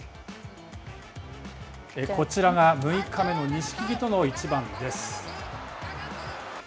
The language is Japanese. こちらが６日目の錦木との一番です。